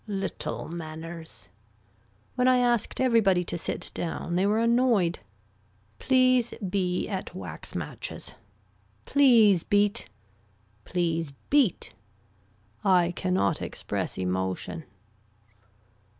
Little manners. When I asked everybody to sit down they were annoyed. Please be at wax matches. Please beat. Please beat. I cannot express emotion.